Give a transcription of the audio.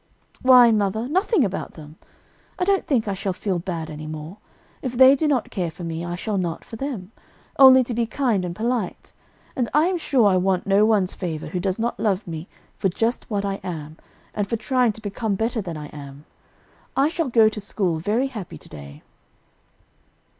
"Why, mother, nothing about them; I don't think I shall feel bad any more. If they do not care for me, I shall not for them, only to be kind and polite; and I am sure I want no one's favor who does not love me for just what I am, and for trying to become better than I am. I shall go to school very happy to day."